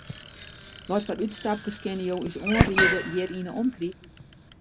Watfoar útstapkes kinne jo ús oanriede hjir yn 'e omkriten?